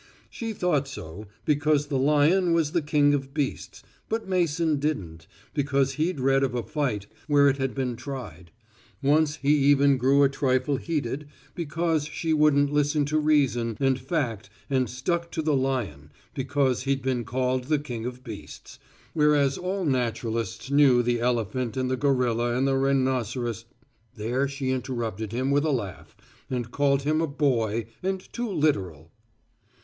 She thought so because the lion was the king of beasts, but Mason didn't, because he'd read of a fight where it had been tried. Once he even grew a trifle heated because she wouldn't listen to reason and fact and stuck to the lion because he'd been called the king of beasts, whereas all naturalists knew the elephant and the gorilla and the rhinoc There she interrupted him with a laugh and called him a boy and too literal.